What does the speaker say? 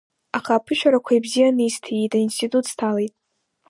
Аха аԥышәарақәа ибзианы исҭиит, аинститут сҭалеит.